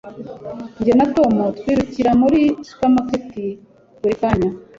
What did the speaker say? jye na tom twirukira muri supermarket buri kanya